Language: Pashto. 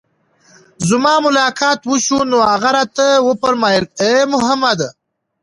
زما ملاقات وشو، نو هغه راته وفرمايل: اې محمد!